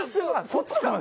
そっちかな？